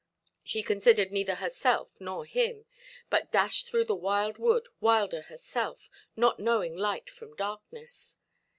She considered neither herself nor him, but dashed through the wild wood, wilder herself, not knowing light from darkness.